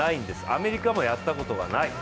アメリカもやったことがない。